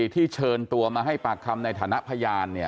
มันเชิญตัวมาให้มาให้ปากคำในฐานะพยานเนี่ย